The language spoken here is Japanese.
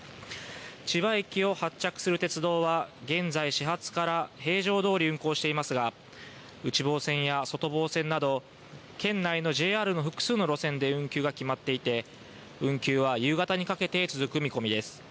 千葉駅を発着する鉄道は現在、始発から平常どおり運行していますが、内房線や外房線など、県内のＪＲの複数の路線で運休が決まっていて、運休は夕方にかけて続く見込みです。